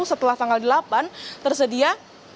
setelah tanggal delapan tersedia